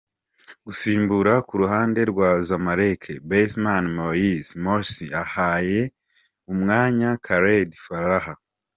' Gusimbura ku ruhande rwa Zamalek: Basem Morsy ahaye umwanya Khaled Farah.